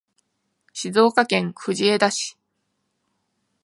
静岡県藤枝市